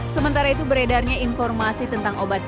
sementara itu beredarnya informasi tentang obat obatan